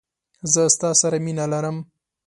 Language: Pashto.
زه ستا سره مینه لرم